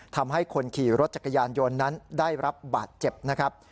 ทำให้คนขี่รถจักรยานยนต์นั้นได้รับบาดเจ็บนะครับ